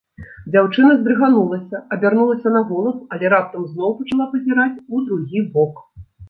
Дзяўчына здрыганулася, абярнулася на голас, але раптам зноў пачала пазіраць у другі бок.